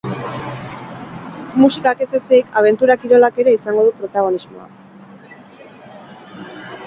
Musikak ez ezik, abentura kirolak ere izango du protagonismoa.